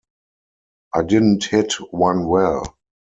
I didn't hit one well.